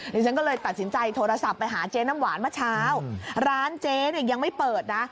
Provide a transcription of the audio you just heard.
ดิฉันก็เลยตัดสินใจโทรศัพท์ไปหาเจ๊น้ำหวานเมื่อเช้าร้านเจ๊เนี่ยยังไม่เปิดนะ